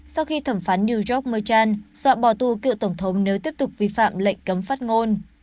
sau khi thẩm phán new york merchant dọa bò tù cựu tổng thống nếu tiếp tục vi phạm lệnh cấm phát ngôn